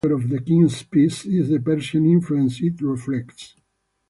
The most notable feature of the King's Peace is the Persian influence it reflects.